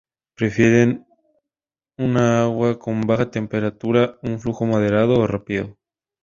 Prefieren una agua con baja temperatura y un flujo moderado o rápido.